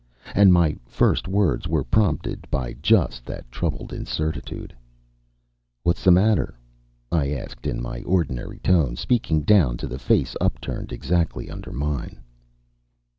And my first words were prompted by just that troubled incertitude. "What's the matter?" I asked in my ordinary tone, speaking down to the face upturned exactly under mine.